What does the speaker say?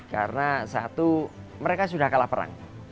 karena satu mereka sudah kalah perang